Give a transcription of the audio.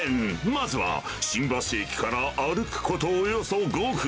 まずは、新橋駅から歩くこと、およそ５分。